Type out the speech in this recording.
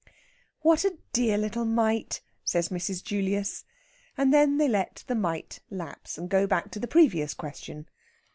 "What a dear little mite!" says Mrs. Julius; and then they let the mite lapse, and go back to the previous question.